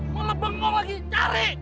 kau lebeng kau lagi cari